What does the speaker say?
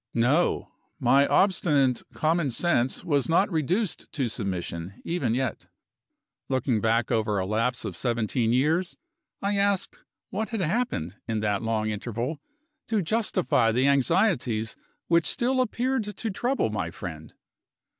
No: my obstinate common sense was not reduced to submission, even yet. Looking back over a lapse of seventeen years, I asked what had happened, in that long interval, to justify the anxieties which still appeared to trouble my friend.